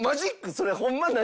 それホンマ何？」